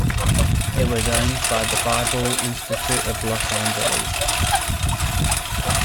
It was owned by the Bible Institute of Los Angeles.